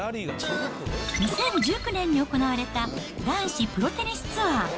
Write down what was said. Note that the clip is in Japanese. ２０１９年に行われた男子プロテニスツアー。